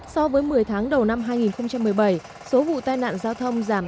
so với một mươi tháng đầu năm hai nghìn một mươi bảy số vụ tai nạn giao thông giảm